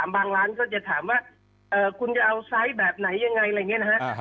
บางร้านก็จะถามว่าคุณจะเอาไซส์แบบไหนยังไงอะไรอย่างนี้นะฮะ